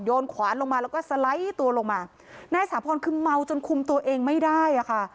ขวานลงมาแล้วก็สไลด์ตัวลงมานายสาพรคือเมาจนคุมตัวเองไม่ได้อ่ะค่ะ